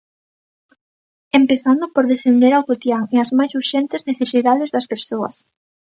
Empezando por descender ao cotián e ás máis urxentes necesidades das persoas.